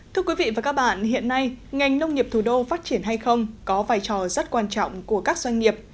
thưa quý vị và các bạn hiện nay ngành nông nghiệp thủ đô phát triển hay không có vai trò rất quan trọng của các doanh nghiệp